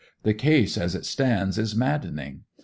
'The case as it stands is maddening.